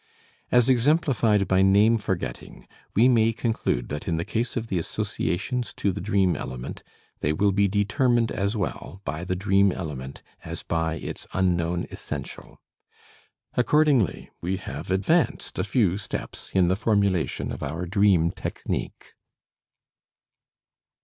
As exemplified by name forgetting, we may conclude that in the case of the associations to the dream element they will be determined as well by the dream element as by its unknown essential. Accordingly, we have advanced a few steps in the formulation of our dream technique.